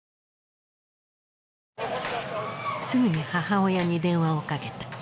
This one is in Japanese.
すぐに母親に電話をかけた。